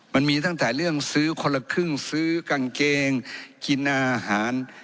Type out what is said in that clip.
มันมีตั้งแต่เรื่องซื้อคนละครึ่งซื้อกางเกงกินอาหาร